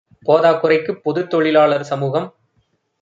போதாக் குறைக்குப் பொதுத்தொழிலா ளர்சமுகம்